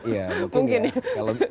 ya mungkin ya